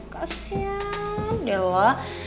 kasian dia lo